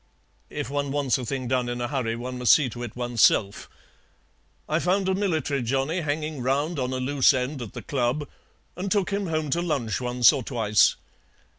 "If one wants a thing done in a hurry one must see to it oneself. I found a military Johnny hanging round on a loose end at the club, and took him home to lunch once or twice.